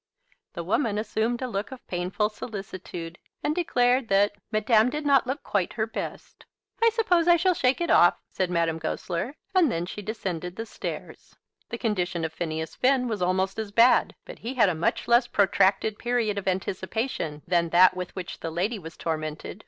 The woman assumed a look of painful solicitude, and declared that "Madame did not look quite her best." "I suppose I shall shake it off," said Madame Goesler; and then she descended the stairs. [Illustration: "I suppose I shall shake it off."] The condition of Phineas Finn was almost as bad, but he had a much less protracted period of anticipation than that with which the lady was tormented.